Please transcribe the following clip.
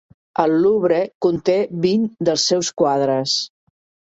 El Louvre conté vint dels seus quadres.